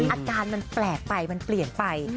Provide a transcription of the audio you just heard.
อาการมันแปลกไปมันเปลี่ยนไป